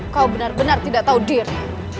kau benar benar tidak tahu diri